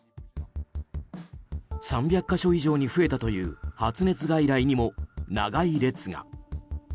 ３００か所以上増えたという発熱外来にも長い列が。